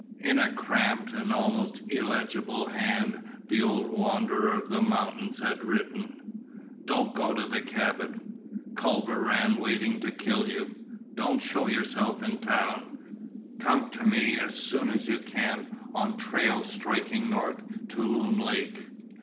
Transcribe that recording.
In a cramped and almost illegible hand the old wanderer of the mountains had written: Don't go to cabin. Culver Rann waiting to kill you. Don't show yorself in town. Cum to me as soon as you can on trail striking north to Loon Lake.